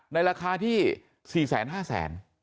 ในราคาที่สี่แสนห้าแสน